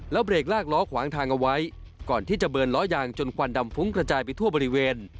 เบรกลากล้อขวางทางเอาไว้ก่อนที่จะเบิร์นล้อยางจนควันดำฟุ้งกระจายไปทั่วบริเวณ